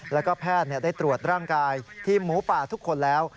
แล้วก็แพทย์ได้ตรวจร่างกายทีมหมูป่าทุกคนแล้ว